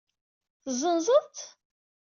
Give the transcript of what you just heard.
Tezenzeḍ-tt?